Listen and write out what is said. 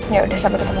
yaudah sampai ketemu